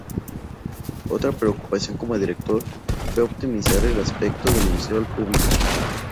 Otra preocupación como director fue optimizar el aspecto del museo al público.